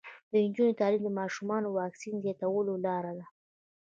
د نجونو تعلیم د ماشومانو واکسین زیاتولو لاره ده.